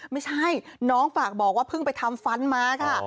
ไม่ใช่น้องฝากบอกว่าเพิ่งไปทำฟันมาค่ะ